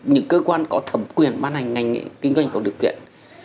những cơ quan có thẩm quyền bán hành ngành nghề kinh doanh có điều kiện